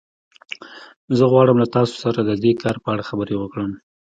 زه غواړم له تاسو سره د دې کار په اړه خبرې وکړم